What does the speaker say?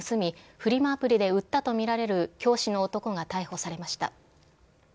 フリマアプリで売ったとみられる教師の男が逮捕されました。